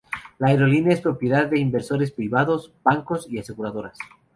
La aerolínea es propiedad de inversores privados, bancos y aseguradoras.